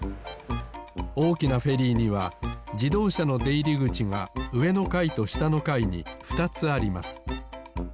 おおきなフェリーにはじどうしゃのでいりぐちがうえのかいとしたのかいにふたつあります。